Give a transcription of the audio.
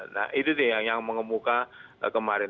nah itu dia yang mengemuka kemarin